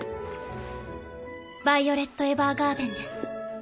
ヴァイオレット・エヴァーガーデンです。